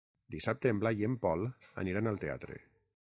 Dissabte en Blai i en Pol aniran al teatre.